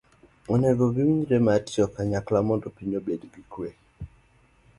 onego giwinjre mar tiyo kanyakla mondo piny obed gi kwe.